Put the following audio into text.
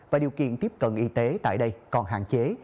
và điều kiện tiếp cận y tế tại đây còn hạn chế